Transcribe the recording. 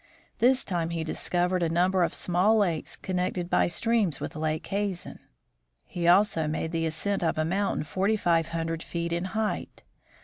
This time he discovered a number of small lakes, connected by streams with Lake Hazen. He also made the ascent of a mountain forty five hundred feet in height.